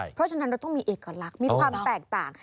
เพราะฉะนั้นเราต้องมีเอกลักษณ์มีความแตกต่าง